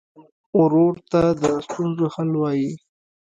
ورور ته د ستونزو حل وايي.